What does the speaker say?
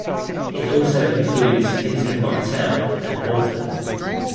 It also includes Hinton Martell and Horton.